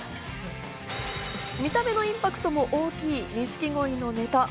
見た目のインパクトも大きい錦鯉のネタ。